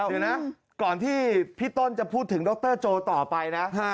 เดี๋ยวนะก่อนที่พี่ต้นจะพูดถึงดรโจต่อไปนะ